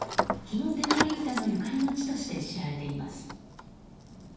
「肥後手まり唄」のゆかりの地として知られています。